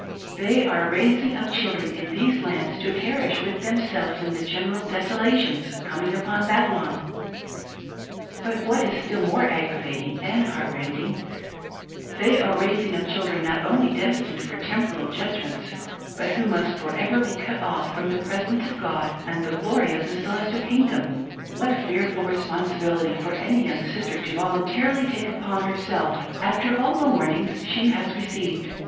They are raising up children in these lands to perish with themselves in the general desolations com ing upon Babylon. But what is still more aggravating and heart rending, they are raising up children not only destined for temporal judgments, but who must for ever be cut off from the presence of God and the glory of the celestial king dom What fearful responsibility for any young sister to volun tarily take upon herself, after all the warnings she has received.